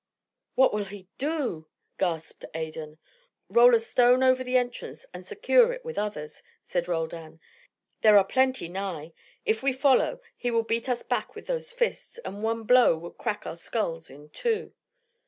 "What will he do?" gasped Adan. "Roll a stone over the entrance and secure it with others," said Roldan. "There are plenty nigh. If we follow, he will beat us back with those fists, and one blow would crack our skulls in two."